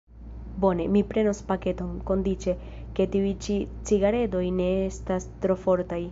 Bone, mi prenos paketon, kondiĉe, ke tiuj ĉi cigaredoj ne estas tro fortaj.